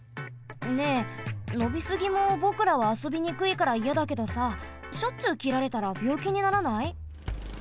ねえのびすぎもぼくらはあそびにくいからいやだけどさしょっちゅうきられたらびょうきにならない？